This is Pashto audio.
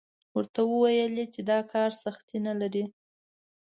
ورته ویل یې چې دا کار سختي نه لري.